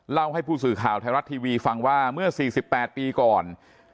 เล่าให้ผู้สื่อข่าวไทยรัฐทีวีฟังว่าเมื่อ๔๘ปีก่อน